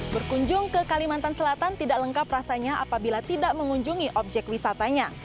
berkunjung ke kalimantan selatan tidak lengkap rasanya apabila tidak mengunjungi objek wisatanya